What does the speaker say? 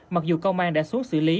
mặc dù công an đã xuất xử lý